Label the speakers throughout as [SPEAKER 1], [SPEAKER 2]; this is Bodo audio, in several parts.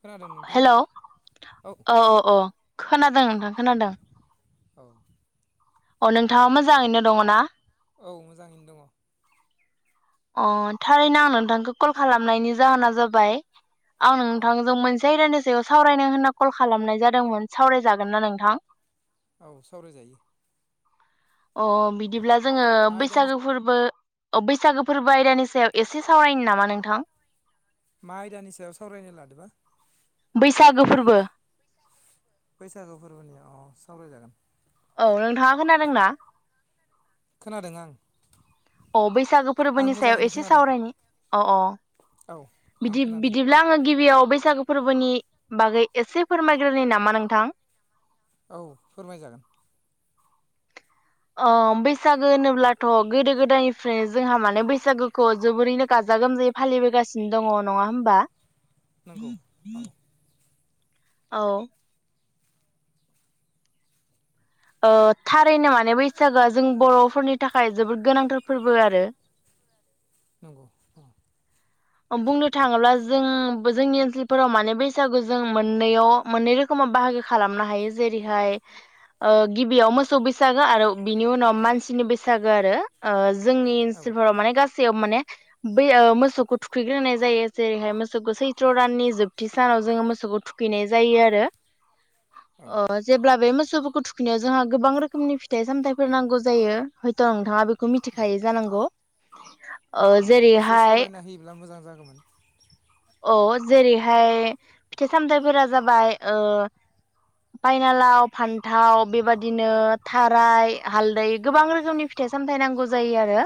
[SPEAKER 1] खोनादों नोंथां
[SPEAKER 2] हेलौ औ अ खोनादों नोंथां खोनादों।
[SPEAKER 1] औ
[SPEAKER 2] अ नोंथाङा मोजाङैनो दङ ना?
[SPEAKER 1] औ मोजाङैनो दङ।
[SPEAKER 2] अ थारैनो आं नोंथांखौ कल खालामनायनि जाहोना जाबाय आं नोंथांजों मोनसे आयदानि सायाव सावरायनो होनना कल खालामनाय जादोंमोन सावरायजागोन ना नोंथां?
[SPEAKER 1] औ सावराय जायो।
[SPEAKER 2] अ बिदिब्ला जोङो
[SPEAKER 1] मा आयदानि
[SPEAKER 2] बैसागो फोरबो औ बैसागो फोरबो आयदानि सायाव एसे सावरायनि नामा नोंथां?
[SPEAKER 1] मा आयदानि सायाव सावरायनो लादोबा?
[SPEAKER 2] बैसागो फोरबो।
[SPEAKER 1] बैसागो फोरबोनि अ सावरायजागोन।
[SPEAKER 2] औ नोंथाङा खोनादोंना
[SPEAKER 1] खोनादों आं
[SPEAKER 2] अ बैसागो
[SPEAKER 1] आं
[SPEAKER 2] फोरबोनि सायाव
[SPEAKER 1] मोजाङैनो
[SPEAKER 2] एसे
[SPEAKER 1] खोनादों
[SPEAKER 2] सावरायनि अ
[SPEAKER 1] औ
[SPEAKER 2] अ
[SPEAKER 1] आं खोनादों
[SPEAKER 2] बिदि-बिदिब्ला आङो गि बियाव बैसागो फोरबोनि बागै एसे फोरमायग्रोनि नामा नोंथां?
[SPEAKER 1] औ फोरमाय जागोन।
[SPEAKER 2] अ बैसागो होनोब्लाथ' गोदो गोदायनिफ्राय जोंहा माने बैसागोखौ जोबोरैनो गाजा गोमजायै फालिबोगासिनो दङ नङा होमबा?
[SPEAKER 1] नोंगौ औ
[SPEAKER 2] औ ओ थारैनो माने बैसागोआ जों बर'फोरनि थाखाय जोबोद गोनांथार फोरबो आरो
[SPEAKER 1] नोंगौ उम
[SPEAKER 2] अ बुंनो थाङोब्ला जों बो जोंनि ओनसोलफोराव माने बैसागु जों मोननैयाव मोननै रोखोमाव बाहागो खालामनो हायो जेरैहाय ओ गिबियाव मोसौ बैसागो आरो बिनि उनाव मानसिनि बैसागो आरो ओ जोंनि
[SPEAKER 1] औ
[SPEAKER 2] ओनसोलफोराव माने गासै [unintelligible] माने बै ओ मोसौखौ थुखैग्रोनाय जायो जेरैहाय मोसौखौ सैथ्र' दाननि जोबथि सानाव जोङो मोसौखौ थुखैनाय जायो आरो।
[SPEAKER 1] औ
[SPEAKER 2] ओ जेब्ला बे मो सौफोरखौ थुखैनायाव जोंहा गोबां रोखोमनि फिथाइ सामथाइफोर नांगौ जायो हयथ' नोंथाङा बेखौ
[SPEAKER 1] अ
[SPEAKER 2] मिथिखायो जानांगौ। ओ
[SPEAKER 1] अ इसे
[SPEAKER 2] जेरैहाय
[SPEAKER 1] सावरायना होयोब्ला मोजां जागौमोन
[SPEAKER 2] अ जेरैहाय फिथाइ सामथाइफोरा जाबाय ओ पायनालाव, फान्थाव बेबादिनो थाराइ, हालदै गोबां रोखोमनि फिथाइ सामथाइ नांगौ जायो आरो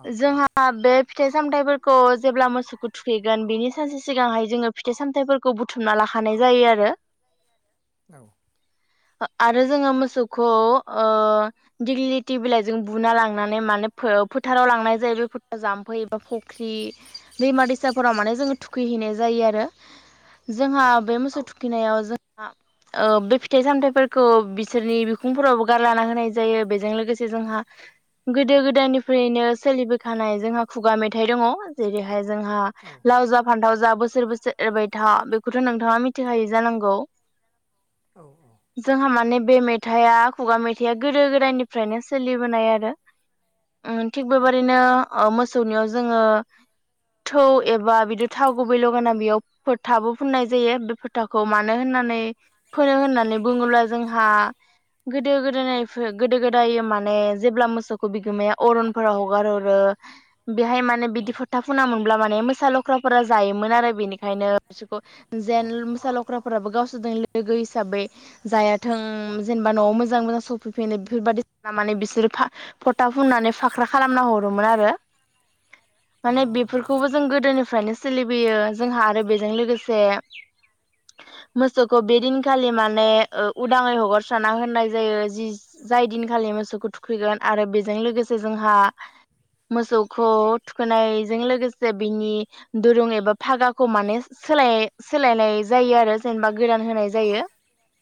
[SPEAKER 1] अ अ
[SPEAKER 2] जोंहा बे फिथाइ सामथाइफोरखौ जेब्ला मोसौखौ थुखैगोन बिनि सानसे सिगांहाय जोङो फिथाइ सामथाइफोरखौ बुथुमना लाखानाय जायो आरो
[SPEAKER 1] औ
[SPEAKER 2] ओ आरो जोङो मोसौखौ ओ दिग्लिथि बिलाइजों बुना लांनानै माने फो-फोथाराव लांनाय जायो बे फोथाराव जाम्फै फख्रि दैमा दैसाफोराव माने जोङो थुखैहैनाय जायो आरो जोंहा
[SPEAKER 1] औ
[SPEAKER 2] बे मोसौ थु खिनायाव जोंहा ओ बे फिथाइ सामथाइफोरखौ बिसोरनि बिखुंफोरावबो गारलाना होनाय जायो बेजों लोगोसे जोंहा गोदो गोदायनिफ्रायनो सोलिबोखानाय जोंहा खुगा मेथाइ दङ जेरैहाय जोंहा
[SPEAKER 1] औ
[SPEAKER 2] लाव जा फान्थाव जा बोसोर बोसोर एरबाय था बेखौथ' नोंथाङा मिथिखायो जानांगौ?
[SPEAKER 1] औ
[SPEAKER 2] जोंहा माने बे मेथाइया खुगा मेथाइया गोदो गोदायनिफ्रायनो सोलिबोनाय आरो ओम थिग बेबदिनो औ मोस सौनियाव जोङो थौ एबा बिदि थाव गुबै लगाना बेयाव फोथाबो फुननाय जायो बे फोथाखौ मानो होननानै फोनो होननानै बुङोब्ला जोंहा गोदो गोदाय नायफो गोदो गोदाय माने जेब्ला मोसौखौ बिगोमाया अरनफोराव हगार हरो बेहाय माने बिदि फोथा फुनामोनब्ला माने मोसा लख्राफोरा जायोमोन आरो बेनिखायनो बिसोरखौ
[SPEAKER 1] अ
[SPEAKER 2] जेन मोसा लख्राफोराबो गावसोरजों लोगो हिसाबै जाया थों
[SPEAKER 1] अ औ
[SPEAKER 2] जेनेबा नआव मोजां मोजां सफैफिनो बेफोरबायदि खालामनानै बिसोरो फा फथा फुननानै फाख्रा खालामना हरोमोन आरो
[SPEAKER 1] औ
[SPEAKER 2] माने बेफोरखौबो जों गोदोनि फ्रायनो सोलिबोयो जोंहा आरो बेजों लोगोसे मोसौखौ बे दिनखालि माने ओ उदाङै हगारस्राना होननाय जायो जि जाय दिनखालि मोसौखौ थुखैगोन आरो बेजों लोगोसे जोंहा मोसौ खौ थुखोनायजों लोगोसे बिनि दुरुं एबा फागाखौ माने सोलाय-सोलायनाय जायो आरो जेनेबा गोदान होनाय जायो।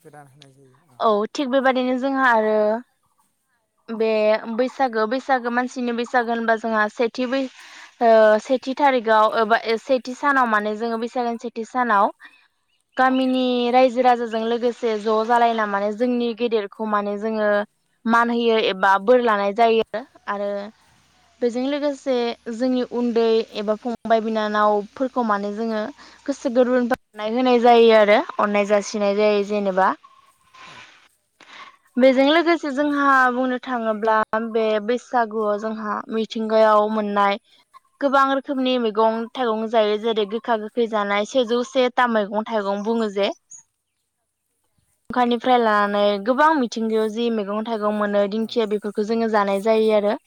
[SPEAKER 1] गोदान होनाय जायो अ
[SPEAKER 2] औ थिग बेबादिनो जोंहा आरो बे बैसागो बैसागो मानसिनि बैसागो होनबा जोंहा सेथि बै ओ सेथि थारिगाव ओ एबा सेथि सानाव माने जोङो बैसागान सेथि सानाव गामिनि रायजो राजाजों लोगोसे ज जालायना माने जोंनि गेदेरखौ माने जोङो मान होयो एबा बोर लानाय जायो आरो बै जों लोगोसे जोंनि उन्दै एबा फंबाय बिनानावफोरखौ माने जोङो गोसो गोरबोनिफ्राय अनाय होनाय जायो आरो अननाय जासिनाय जायो जेनेबा
[SPEAKER 1] औ
[SPEAKER 2] बेजों लोगोसे जोंहा बुंनो थाङोब्ला बे बैसागुआव जोंहा मि थिंगायाव मोननाय गोबां रोखोमनि मैगं-थाइगं जायो जेरै गोखा गोखै जानाय सेजौ से थाम मैगं-थाइगं बुङो जे खानिफ्राय लानानै गोबां मिथिंगायाव जि मैगन थाइगं मोनो
[SPEAKER 1] औ
[SPEAKER 2] दिंखिया बेफोरखौ
[SPEAKER 1] औ
[SPEAKER 2] जोङो जानाय जायो आरो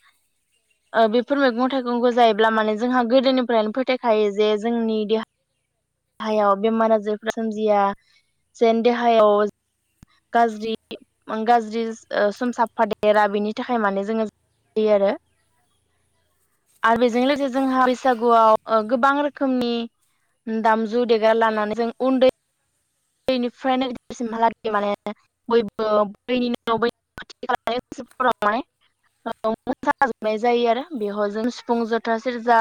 [SPEAKER 2] ओ बेफोर मैगं-थाइगंखौ जायोब्ला माने जोंहा गोदोनिफ्रायनो फोथायखायो जे जोंनि देहायाव बेमार राजारफोरा सोमजिया जेन देहायाव गाज्रि गाज्रि ओ सम साफादेरा बेनि थाखाय माने जोङो जायो आरो आरो बेजों लोगोसे जोंहा बैसागुआव आ
[SPEAKER 1] औ
[SPEAKER 2] गोबां रोखोमनि दामजु देगार लानानै जों उन्दै उन्दैनिफ्रायनोसिमहालागै माने बयबो बैनि न' बैनि खाथि खालाफोराव माने मोसाजोबनाय जायो आरो बेयावहाय जों सिफुं जथा सेरजा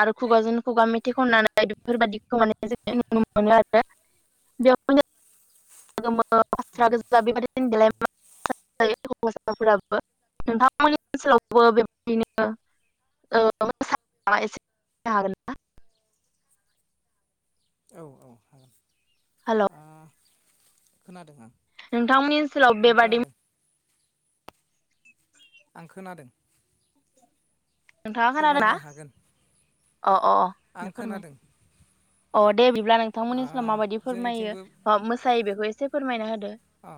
[SPEAKER 2] आरो खुगाजों खुगा मेथाइ खननानै बेफोरबायदिखौ माने जों नुनो मोनो आरो बेयाव पास्रा
[SPEAKER 1] नंगौ
[SPEAKER 2] गोजा बेबादि देलाय हौवासाफोराबो नोंथांमोननि ओनसोलावबो बेबायदिनो ओ मोसायो माबा एसे बुंनो हागोन ना
[SPEAKER 1] औ औ हागोन।
[SPEAKER 2] हेल'
[SPEAKER 1] आ खोनादों आं
[SPEAKER 2] नोंथांमोननि ओनसोलाव
[SPEAKER 1] आं
[SPEAKER 2] बेबादि
[SPEAKER 1] खोनादों आं खोनादों
[SPEAKER 2] नोंथाङा खोनादोंना
[SPEAKER 1] फोरमायनो हागोन
[SPEAKER 2] अ अ अ
[SPEAKER 1] आं
[SPEAKER 2] दे फोरमाय
[SPEAKER 1] खोनादों
[SPEAKER 2] अ दे बिब्ला
[SPEAKER 1] आ
[SPEAKER 2] नोंथांमोननिसिाव माबायदि
[SPEAKER 1] जोंनिथिंबो
[SPEAKER 2] फोरमायो मोसायो बेखौ एसे फोरमायना हो
[SPEAKER 1] अ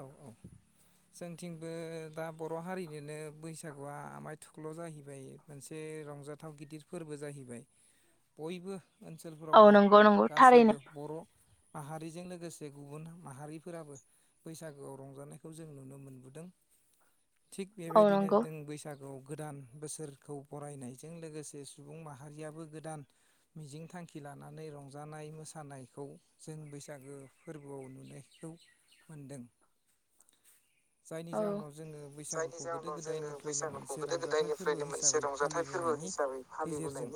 [SPEAKER 1] औ औ जोंथिंबो दा बर हारिनोनो बैसागुआ आमाय थुख्ल जाहैबाय मोनसे रंजाथाव गिदिर फोरबो जाहैबाय बयबो
[SPEAKER 2] औ
[SPEAKER 1] ओनसोलफोरावनो
[SPEAKER 2] नंगौ नंगौ थारैनो
[SPEAKER 1] गासैबो बर' माहारिजों लोगोसे गुबुन माहारिफोराबो बैसागोआव रंजानायखौ जों नुनो मोनबोदों थिग
[SPEAKER 2] औ
[SPEAKER 1] बेबायदिनो
[SPEAKER 2] नंगौ
[SPEAKER 1] जों बैसागु गोदान बोसोरखौ बरायनायजों लोगोसे सुबुं माहारियाबो गोदान मिजिं थांखि लानानै रंजानाय मोसानायखौ जों बैसागो फोरबोआव नुनायखौ मोन्दों। जायनि
[SPEAKER 2] औ
[SPEAKER 1] जाहोनाव जोङो बैसागुखौ गोदो गोदायनिफ्रायनो मोनसे रंजाथाइ फोरबो हिसाबै फालिबोनायनि गेजेरजों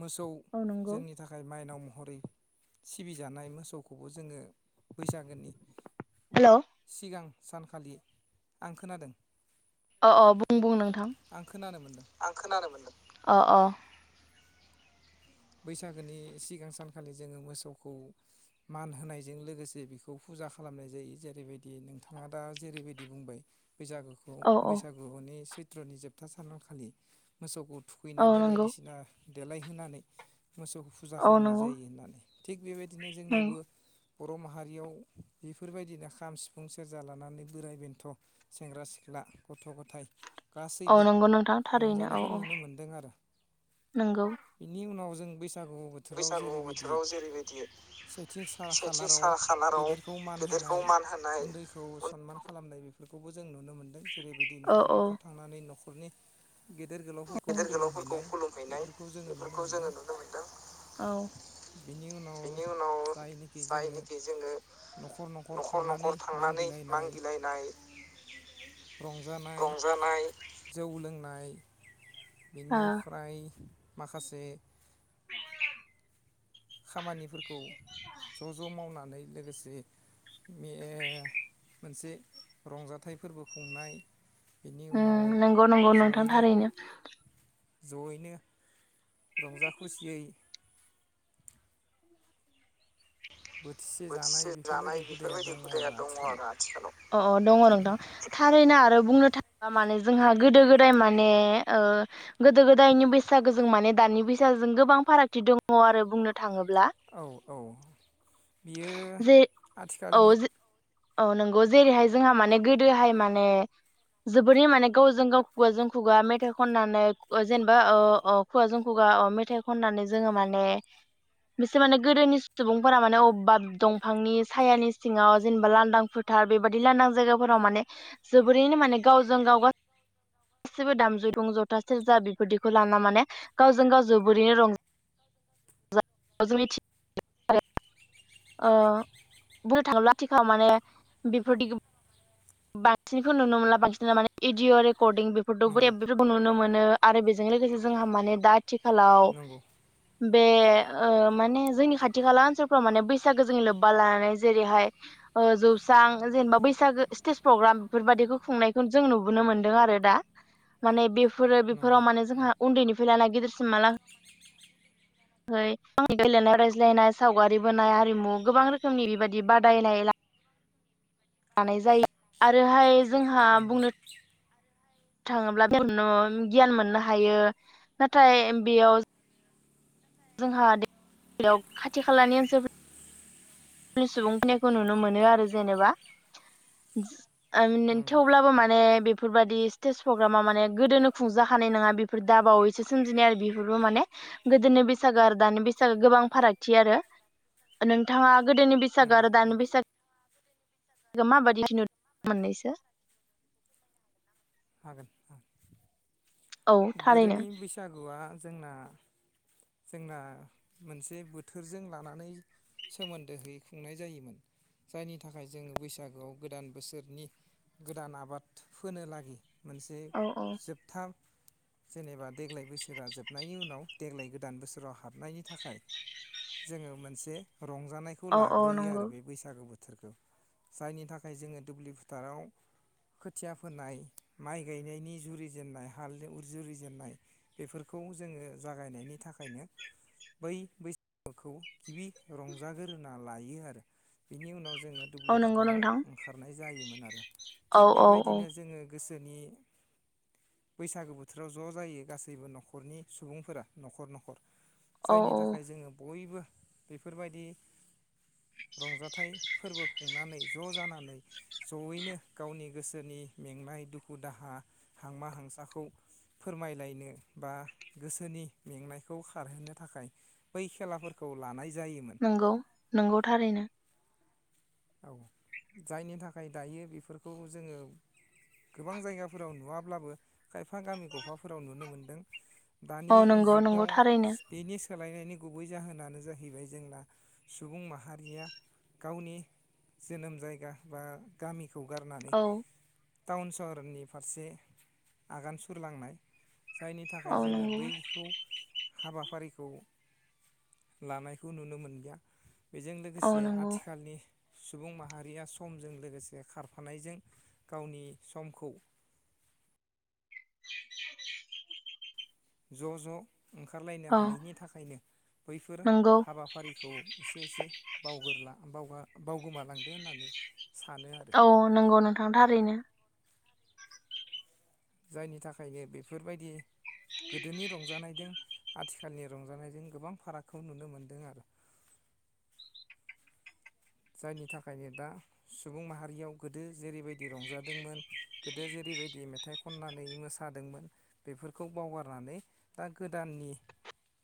[SPEAKER 1] मोसौ
[SPEAKER 2] औ नंगौ
[SPEAKER 1] जोंनि थाखाय माइनाव म हरै सिबिजानाय मोसौखौबो जोङो बैसागोनि
[SPEAKER 2] हेल'
[SPEAKER 1] सिगां सानखालि आं खोनादों
[SPEAKER 2] अ अ बुं बुं नों थां
[SPEAKER 1] आं खोनानो मोनदों
[SPEAKER 2] आं खोनानो मोनदों। अ अ
[SPEAKER 1] बैसागोनि सिगां सानखालि जोङो मोसौखौ मान होनायजों लोगोसे बेखौ फुजा खालामनाय जायो जेरैबायदि नोंथाङा दा जेरैबायदि बुंबाय बैसागुखौ
[SPEAKER 2] औ औ
[SPEAKER 1] बैसागुनि सैथ त्र'नि जोबथा सानखालि मोसौखौ
[SPEAKER 2] औ
[SPEAKER 1] थुखैनानै
[SPEAKER 2] नंगौ
[SPEAKER 1] बायदिसिना देलायहोनानै मोसौ फुजा
[SPEAKER 2] औ
[SPEAKER 1] खालामनाय
[SPEAKER 2] नंगौ
[SPEAKER 1] जायो होननानै थिग बेबायदिनो जोंनावबो बर' माहारियाव बेफोरबायदिनो खाम, सिफुं, सेरजा लानानै बोराइ बेन्थ सेंग्रा सिख्ला गथ' गथाइ
[SPEAKER 2] औ नंगौ नोंथां थारैनो औ औ
[SPEAKER 1] मोनदों आरो
[SPEAKER 2] नोंगौ
[SPEAKER 1] बिनि उनाव जों बसा सागु बोथोराव जेरैबायदि सेेथिसान खालाराव गेदेरखौ मान होनाय उन्दैखौ सनमान खालामनाय बेफोर बेखौबो जों नुनो मोनदों जेरैबायदि
[SPEAKER 2] औ
[SPEAKER 1] नखर
[SPEAKER 2] औ
[SPEAKER 1] नखर थांनानै नख नि गेदेर गोलावफोरखौ खुलुम हैैनाय बेफोरखौ जोङो
[SPEAKER 2] औ
[SPEAKER 1] नुनो मोनदों बेनि उनाव जायनोखि जोङो न'खर न'खर थांनानै मांगिलायनाय रंजानाय जौ लोंनाय
[SPEAKER 2] ओ
[SPEAKER 1] बिनिफ्राय माखासे
[SPEAKER 2] [inaudible]
[SPEAKER 1] खामानि फोरखौ ज' ज' मावनानै लोगोसे मे-मोनसे रंजाथाइ फोरबो खुंनाय बेनि उनाव
[SPEAKER 2] नोंगौ नोंगौ नोंथां
[SPEAKER 1] जयैनो
[SPEAKER 2] थारैनो
[SPEAKER 1] जयैनो रंजा खुसियै जानाय
[SPEAKER 2] बोथिसे जानाय
[SPEAKER 1] बेफोरबायदि हुदाया
[SPEAKER 2] बेफोरबायदि
[SPEAKER 1] दङ
[SPEAKER 2] हुदाया
[SPEAKER 1] आरो
[SPEAKER 2] दङ
[SPEAKER 1] आथिखालाव
[SPEAKER 2] आरो आथिखालाव अ अ दङ नोंथां थारैना ओ बुंनो थाङोबा माने जोंहा गोदो गोदाय माने ओ गोदो गोदायनि बैसागोजों माने दानि बैसागोजों गोबां फारागथि दङ आरो बुंनो थाङो
[SPEAKER 1] औ औ बियो
[SPEAKER 2] जे औ
[SPEAKER 1] आथिखालनि
[SPEAKER 2] औ नंगौ जेरैहाय जोंहा माने गोदोहाय माने जोबोरै माने गावजों गाव खुगाजों खुगा मेथाइ खननानै जेनेबा ओ अ खुगाजों खुगा अ मेथाइ खननानै जोङो माने बिसोर माने गोदोनि सुबुंफोरा माने बा दंफांनि सायानि सिङाव जेनेबा लांदां फोथार बेबादि लांदां जायगाफोराव माने जोबोरैनो माने गावजों गाव गासिबो दामजु दुं जथा सेरजा बेफोरदिखौ लाना माने गावजों गाव जोबोरैनो रंजा जों मिथि [inaudible] ओ बुंनो थाङोब्ला आथिखाव माने बेफोरदि बांसिनखौ नुनो मोनला बांसिन माने एदिअ रेक
[SPEAKER 1] नंगौ
[SPEAKER 2] रेकरदिं [inaudible] नुनो मोनो आरो बेजों लोगोसे जोंहा माने दा थिखालाव
[SPEAKER 1] नंगौ
[SPEAKER 2] बे ओ माने जोंनि खाथि खाला ओनसोलफ्राव माने बैसागो जोंनि लोब्बा लानानै जेरैहाय जौसां जेनेबा बैसागो स्टेज प्रग्राम बेफोरबादिखौ खुंनायखौ जों नुबोनो मोनदों आरो दा माने बेफोरो
[SPEAKER 1] नंगौ
[SPEAKER 2] बेफोराव माने
[SPEAKER 1] औ
[SPEAKER 2] जोंहा उन्दैनिफ्राय लाना गिदिरसिम माला गेलेनाय रायज्लायनाय सावगारि बोनाय हारिमु गोबां रोखोमनि बेबायदि बादायनाय ला लानाय जायो आरोहाय जोंहा
[SPEAKER 1] नंगौ
[SPEAKER 2] बुंनो थांङोब्ला [inaudible] नो गियान मोननो हायो नाथाय बेयाव‌ जोंहा [inaudible] खाथि खालानि [inaudible] सुबुं फैनायखौ नुनो मोनो आरो जेनेबा उम्म
[SPEAKER 1] नंगौ
[SPEAKER 2] थेवब्लाबो माने बेफोरबादि स्टेस फग्रामाव माने गोदोनो खुंजाखानाय नङा बेफोर दा बावैसो सोमजिनाय आरो बेफोरबो माने गोदोनि बैसागो आरो दानि बैसागो गोबां फारागथि आरो नोंथांङा गोदोनि बैसागो
[SPEAKER 1] नंगौ
[SPEAKER 2] आरो दानि
[SPEAKER 1] नंगौ
[SPEAKER 2] बैसागो [inaudible] मोननैसो
[SPEAKER 1] हागोन ओं
[SPEAKER 2] औ थारैनो
[SPEAKER 1] गोदोनि बैसागुआ जोंना जोंना मोनसे बोथोरजों लानानै सोमोन्दोहै खुंनाय जायोमोन जायनि थाखाय जोङो बैसागोआव गोदान बोसोरनि गोदान आबाद फोनो लागि मोनसे
[SPEAKER 2] औ औ
[SPEAKER 1] जोबथा जेनेबा देग्लाय बोसोरा जोबनायनि उनाव देग्लाय गोदान बोसोराव हाबनायनि थाखाय जोङो मोनसे रंजानायखौ
[SPEAKER 2] औ औ
[SPEAKER 1] लाग्रोयो
[SPEAKER 2] नंगौ
[SPEAKER 1] आरो बे बैसागु बोथो [unintelligible] जायनि थाखाय जोङो दुब्लि फोथाराव खोथिया फोनाय माइ गायनायनि जुरिजेननाय हाल एव जुरिजेननाय बेफोरखौ जोंङो जागायनायनि थाखायनो बै बैसागुखौ गिबि रंजागोर ना लायो आरो बिनि उनाव जोंङो
[SPEAKER 2] औ
[SPEAKER 1] दुब्लि
[SPEAKER 2] नंगौ
[SPEAKER 1] फोथाराव
[SPEAKER 2] नोंथां
[SPEAKER 1] ओंखारनाय जायोमोन आरो। थिग
[SPEAKER 2] औ औ
[SPEAKER 1] बेबायदिनो जोंङो गोसोनि बैसागो बोथोराव ज जायो गासैबो न'खरनि सुबुंफोरा न'खर न'खर
[SPEAKER 2] औ
[SPEAKER 1] जायनि
[SPEAKER 2] औ
[SPEAKER 1] थाखाय जोंङो बयबो बेफोरबायदि रंजाथाइ फोरबो खुंनानै ज' जानानै ज'यैनो गावनि गोसोनि मेंनाय दुखु दाहा, हांमा हांसाखौ फोरमायलायनो बा गोसोनि मेंनायखौ खारहोनो थाखाय बै खेलाफोरखौ लानाय जायोमोन
[SPEAKER 2] नोंगौ नंगौ थारैनो।
[SPEAKER 1] औ जायनि थाखाय दायो बेफोरखौ जोङो गोबां जायगाफोराव नुवाब्लाबो खायफा गामि गफाफोराव नुनो मोनदों
[SPEAKER 2] औ
[SPEAKER 1] दानि
[SPEAKER 2] नंगौ नंगौ
[SPEAKER 1] जुगाव
[SPEAKER 2] थारैनो
[SPEAKER 1] सो बेनि सोलायनायनि गुबै जाहोनानो जाहैबाय जोंना सुबुं माहारिया गावनि जोनोम जायगा बा गामि खौ गारनानै
[SPEAKER 2] औ
[SPEAKER 1] टाउन सहरनि फारसे आगान सुरलांनाय जायनि थाखाय
[SPEAKER 2] औ
[SPEAKER 1] जोङो
[SPEAKER 2] नंगौ
[SPEAKER 1] बैखौ हाबाफारिखौ लानायखौ नुनो मोनलिया बेजों
[SPEAKER 2] औ
[SPEAKER 1] लोगोसे
[SPEAKER 2] नंगौ
[SPEAKER 1] आथिखालनि सुबुं माहारिया समजों लोगोसे खारफानायजों गावनि समखौ
[SPEAKER 2] [inaudible]
[SPEAKER 1] ज' ज' ओंखारलायनो
[SPEAKER 2] औ
[SPEAKER 1] हायैनि थाखायनो बैफोर
[SPEAKER 2] नंगौ
[SPEAKER 1] हाबाफारिखौ एसे एसे बावगोरला बावगा-बावगोमालांदों होननानै सानो आरो
[SPEAKER 2] औ नोंगौ नोंथां थारैनो।
[SPEAKER 1] जायनि थाखायनो बेफोरबायदि गोदोनि रंजानायजों
[SPEAKER 2] [inaudible]
[SPEAKER 1] आथिखालनि रंजानायजों गोबां फारागखौ नुनो मोनदों आरो जायनि थाखायनो दा सुबुं माहारियाव गोदो जेरैबायदि रंजादोंमोन गोदो जेरैबायदि मेथाइ खननानै मोसादोंमोन बेफोरखौ बावगारनानै दा गोदाननि